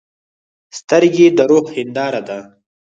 سترګې د روح هنداره ده.